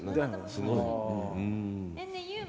すごいよ。